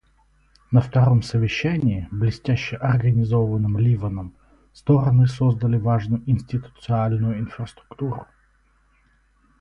На втором совещании, блестяще организованном Ливаном, стороны создали важную институциональную инфраструктуру.